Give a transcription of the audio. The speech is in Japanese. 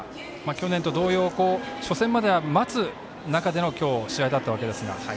去年と同様初戦までは待つ中での試合だったわけですが。